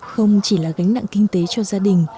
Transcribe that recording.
không chỉ là gánh nặng kinh tế cho gia đình